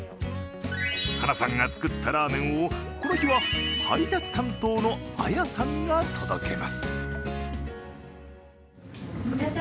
晴名さんが作ったラーメンをこの日は配達担当の綾さんが届けます。